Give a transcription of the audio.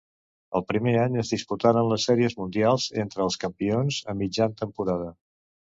El primer any es disputaren les Sèries Mundials entre els campions a mitjan temporada.